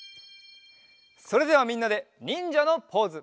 それではみんなでにんじゃのポーズ。